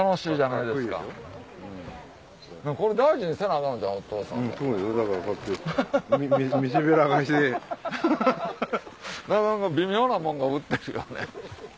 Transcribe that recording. なかなか微妙なもんが売ってるよね。